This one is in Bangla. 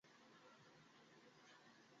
বস, টিভিতে ওয়েদার চ্যানেলটা একটু অন করুন!